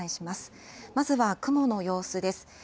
まずは雲の様子です。